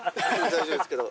大丈夫ですけど。